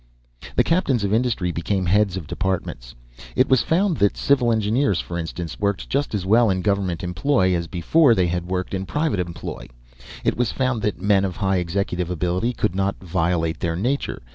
The captains of industry became heads of departments. It was found that civil engineers, for instance, worked just as well in government employ as before, they had worked in private employ. It was found that men of high executive ability could not violate their nature.